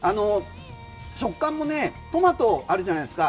食感もトマトあるじゃないですか。